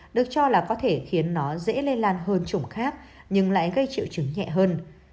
được cho là có thể khiến nó dễ lây lan hơn chủng khác nhưng lại gây triệu chứng nhẹ hơn